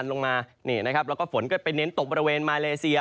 ลงมานี่นะครับแล้วก็ฝนก็ไปเน้นตกบริเวณมาเลเซีย